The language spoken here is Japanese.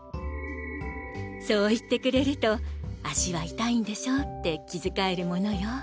そう言ってくれると「足は痛いんでしょ？」って気遣えるものよ。